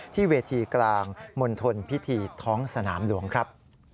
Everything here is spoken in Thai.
ที่เวทีกลางมณฑลพิธีท้องสนามหลวงครับ